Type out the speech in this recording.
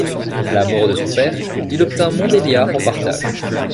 À la mort de son père, il obtint Montbéliard en partage.